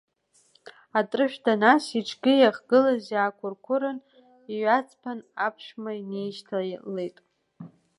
Атрышә данас, иҽгьы иахьгылаз иаақәыр-қәырын, иҩаҵԥан аԥшәма инаишьҭалеит.